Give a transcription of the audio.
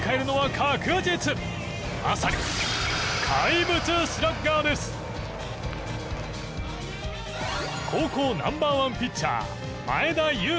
まさに高校ナンバーワンピッチャー